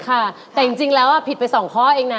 ค่ะแต่จริงแล้วผิดไป๒ข้อเองนะ